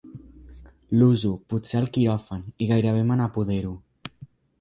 L'uso, potser al quiròfan, i gairebé me n'apodero.